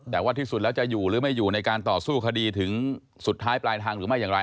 แต่ว่าที่สุดแล้วจะอยู่หรือไม่อยู่ในการต่อสู้คดีถึงสุดท้ายปลายทางหรือไม่อย่างไร